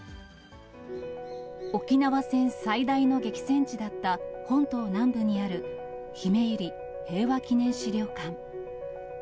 沖縄戦最大の激戦地だった、本島南部にあるひめゆり平和祈念資料館。